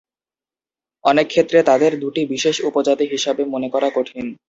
অনেকক্ষেত্রে তাঁদের দুটি বিশেষ উপজাতি হিসাবে মনে করা কঠিন।